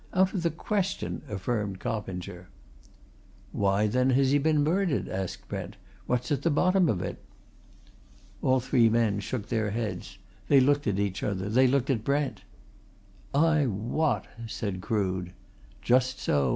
"Out of the question!" affirmed Coppinger. "Why then, has he been murdered?" asked Brent. "What's at the bottom of it?" All three men shook their heads. They looked at each other. They looked at Brent. "Ay what?" said Crood. "Just so!"